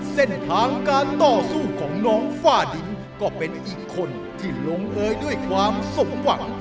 เส้นทางการต่อสู้ของน้องฝ้าดินก็เป็นอีกคนที่ลงเอยด้วยความสมหวัง